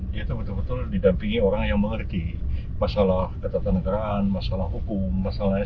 dia itu betul betul didampingi orang yang mengerti masalah ketatanegaraan masalah hukum masalah lain